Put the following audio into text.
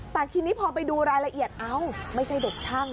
แต่ทีนี้พอไปดูรายละเอียดเอ้าไม่ใช่เด็กช่าง